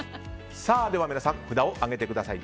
皆さん、札を上げてください。